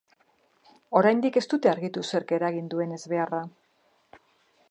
Oraindik ez dute argitu zerk eragin duen ezbeharra.